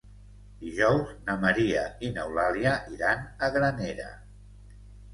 Dijous na Maria i n'Eulàlia iran a Granera.